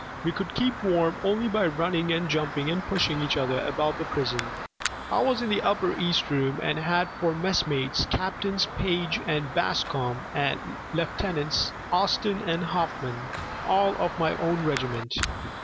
We could keep warm only by running and jumping and pushing each other about the prison. I was in the upper east room, and had for messmates Captains Page and Bascom and Lieutenants Austin and Hoffman, all of my own regiment.